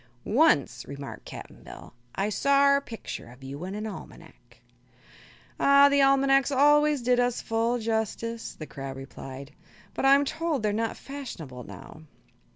"Once," remarked Cap'n Bill, "I sawr a picter of you in an almanac." "Ah; the almanacs always did us full justice," the crab replied, "but I'm told they're not fashionable now."